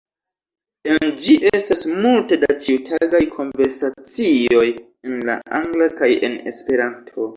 En ĝi, estas multe da ĉiutagaj konversacioj en la Angla kaj en Esperanto.